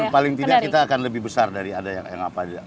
paling tidak kita akan lebih besar dari ada yang apa dia